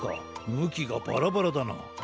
むきがバラバラだな。